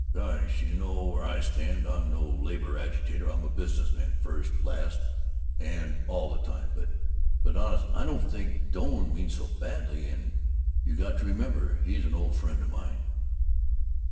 "Gosh, you know where I stand! I'm no labor agitator! I'm a business man, first, last, and all the time! But but honestly, I don't think Doane means so badly, and you got to remember he's an old friend of mine."